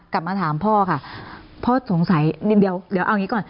กลับมาถามพ่อค่ะพ่อสงสัยนี่เดี๋ยวเอาอย่างงี้ก่อน